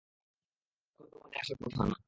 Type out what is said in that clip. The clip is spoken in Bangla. এখন তোমার এখানে আসার কথা না।